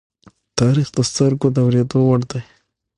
تاریخ د سترگو د اوریدو وړ دی.